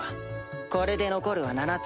これで残るは７つ。